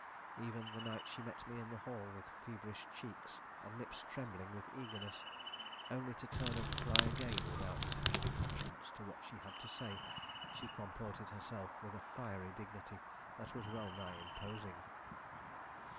Even the night she met me in the hall, with feverish cheeks and lips trembling with eagerness, only to turn and fly again without giving utterance to what she had to say, she comported herself with a fiery dignity that was well nigh imposing.